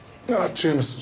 違います。